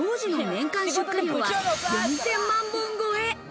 当時の年間出荷量は４０００万本超え。